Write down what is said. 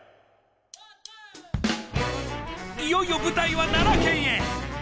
いよいよ舞台は奈良県へ。